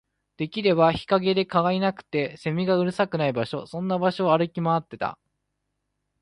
できれば日陰で、蚊がいなくて、蝉がうるさくない場所、そんな場所を求めて歩き回った